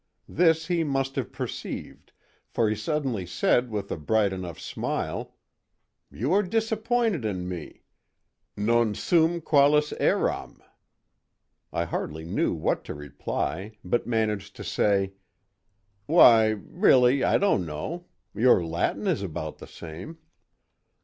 This he must have perceived, for he suddenly said with a bright enough smile, "You are disappointed in me—non sum qualis eram." I hardly knew what to reply, but managed to say: "Why, really, I don't know: your Latin is about the same."